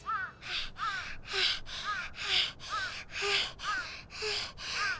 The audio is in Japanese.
はあはあはあはあ。